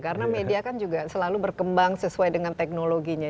karena media kan juga selalu berkembang sesuai dengan teknologinya